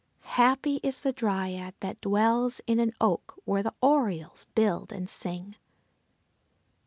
Happy is the Dryad that dwells in an oak where the orioles build and sing!